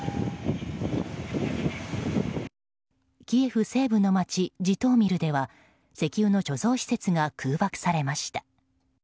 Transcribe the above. キエフ西部の街ジトーミルでは石油の貯蔵施設が空爆されました。